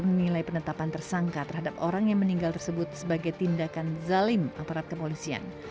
menilai penetapan tersangka terhadap orang yang meninggal tersebut sebagai tindakan zalim aparat kepolisian